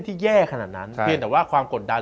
ที่แย่ขนาดนั้นเพียงแต่ว่าความกดดัน